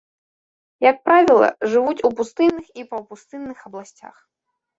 Як правіла, жывуць у пустынных і паўпустынных абласцях.